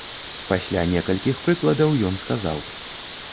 Пасля некалькіх прыкладаў, ён сказаў.